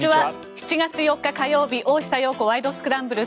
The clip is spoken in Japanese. ７月４日、火曜日「大下容子ワイド！スクランブル」。